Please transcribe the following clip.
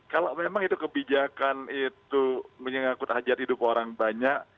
kalau memang itu kebijakan itu menyangkut hajat hidup orang banyak